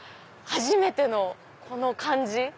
初めてのこの感じ。